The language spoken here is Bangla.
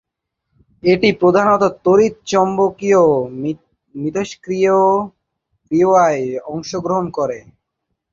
এটি প্রধানত তড়িৎ-চুম্বকীয় মিথষ্ক্রিয়ায় অংশগ্রহণ করে।